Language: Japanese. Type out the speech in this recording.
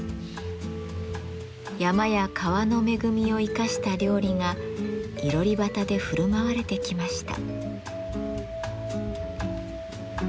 山や川の恵みを生かした料理が囲炉裏端で振る舞われてきました。